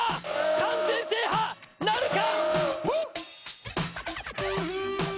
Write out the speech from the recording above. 完全制覇なるか！